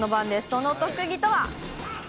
その特技とは。